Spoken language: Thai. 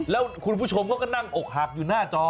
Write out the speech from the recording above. แล้วคุณผู้ชมก็นั่งอกหักอยู่หน้าจอ